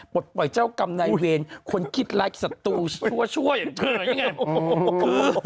ปลดปล่อยเจ้ากรรมนายเวรคนคิดร้ายศัตรูชั่วอย่างเธอนี่ไง